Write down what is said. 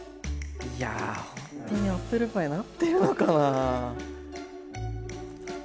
いやほんとにアップルパイになってるのかな？